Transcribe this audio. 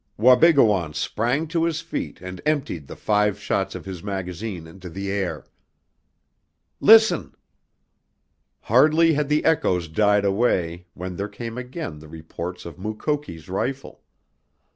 Wabigoon sprang to his feet and emptied the five shots of his magazine into the air. "Listen!" Hardly had the echoes died away when there came again the reports of Mukoki's rifle.